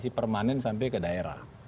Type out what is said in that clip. sampai ke daerah